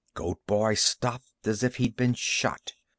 Goat boy stopped as if he'd been shot.